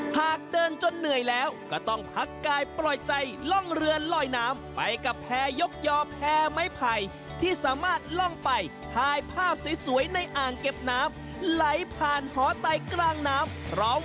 หากเดินจนเหนื่อยแล้วก็ต้องพักกายปล่อยใจล่องเรือลอยน้ำไปกับแพรยกยอมแพ้ไม้ไผ่ที่สามารถล่องไปถ่ายภาพสวยในอ่างเก็บน้ำไหลผ่านหอไตกลางน้ำพร้อม